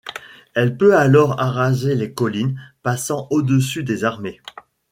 Elle peut alors araser les collines, passant au-dessus des armées.